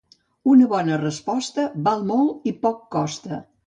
Una bona resposta val molt i poc costa.